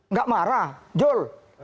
nggak marah jul